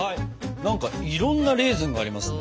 何かいろんなレーズンがありますね。